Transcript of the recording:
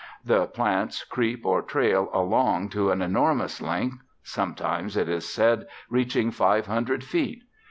The plants creep or trail along to an enormous length, sometimes, it is said, reaching five hundred feet.